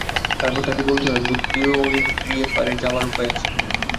তারপর তাকে বলতে হয় মন, বুদ্ধি ও ইন্দ্রিয়ের পারে যাবার উপায় আছে।